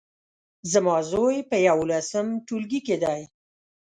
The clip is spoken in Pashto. زما زوی په يولسم ټولګي کې دی